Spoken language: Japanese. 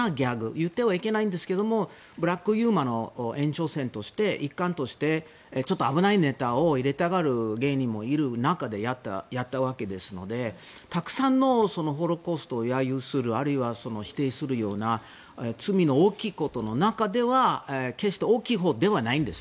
言ってはいけないんですがブラックユーモアの延長戦として、一環としてちょっと危ないネタを入れたがる芸人もいる中でやったわけですのでたくさんのホロコーストを揶揄する、あるいは否定するような罪の大きいことの中では決して大きいほうではないんです